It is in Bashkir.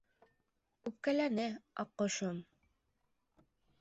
Үпкәләне, аҡҡошом...